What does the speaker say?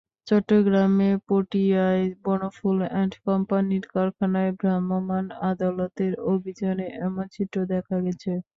চট্টগ্রামের পটিয়ায় বনফুল অ্যান্ড কোম্পানির কারখানায় ভ্রাম্যমাণ আদালতের অভিযানে এমন চিত্র দেখা গেছে।